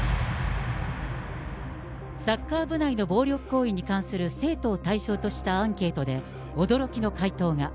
サッカー部内の暴力行為に関する生徒を対象としたアンケートで驚きの回答が。